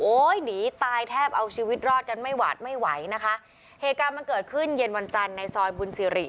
หนีตายแทบเอาชีวิตรอดกันไม่หวาดไม่ไหวนะคะเหตุการณ์มันเกิดขึ้นเย็นวันจันทร์ในซอยบุญสิริ